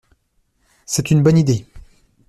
C’est une bonne idée.